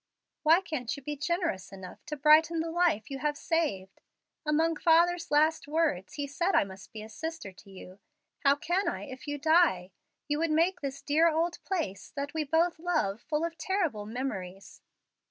Why can't you be generous enough to brighten the life you have saved? Among my father's last words he said I must be a sister to you. How can I if you die? You would make this dear old place, that we both love, full of terrible memories."